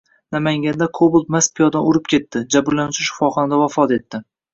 Namanganda Cobalt mast piyodani urib ketdi. Jabrlanuvchi shifoxonada vafot etdi